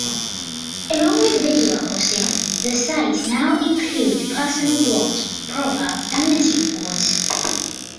Along with video hosting, the site now includes personal blogs, profiles and message boards.